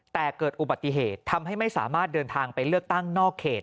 แต่เกิดอุบัติเหตุทำให้ไม่สามารถเดินทางไปเลือกตั้งนอกเขต